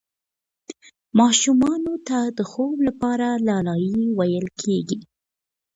ماشومانو ته د خوب لپاره لالايي ویل کېږي.